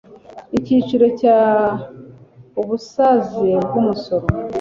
Icyiciro cya Ubusaze bw umusoro